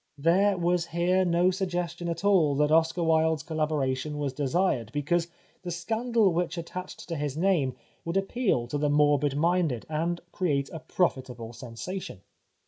There was here no suggestion at all that Oscar Wilde's collabora tion was desired because the scandal which at tached to his name would appeal to the morbid minded, and create a profitable sensation.